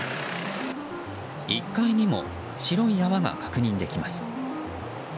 １階にも白い泡が確認できます。